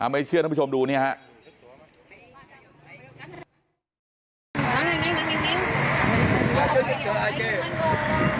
ไม่เชื่อท่านผู้ชมดูเนี่ยครับ